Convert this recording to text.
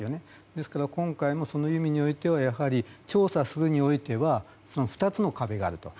ですから、今回もその意味においては調査するにおいては２つの壁があると。